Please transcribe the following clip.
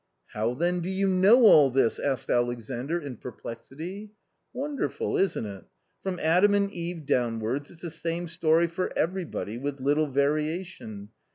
" How then do you know all this?" asked Alexandr in perplexity. " Wonderful, isn't it ? from Adam and Eve downwards, it's the same story for everybody with little variation.